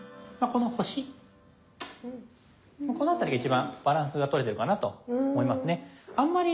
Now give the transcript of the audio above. この辺りが一番バランスが取れてるかなと思いますね。